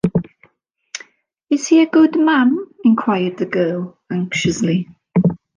Is he a good man? enquired the girl, anxiously.